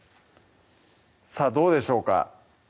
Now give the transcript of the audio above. さぁどうでしょうか